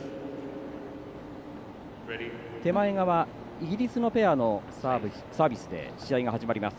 イギリスのペアのサービスで試合が始まります。